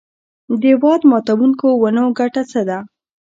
د باد ماتوونکو ونو ګټه څه ده؟